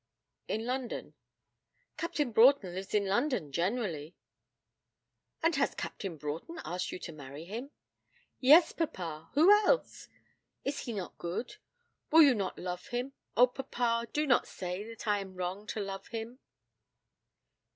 'In London.' 'Captain Broughton lives in London generally.' 'And has Captain Broughton asked you to marry him?' 'Yes, papa who else? Is he not good? Will you not love him? Oh, papa, do not say that I am wrong to love him?'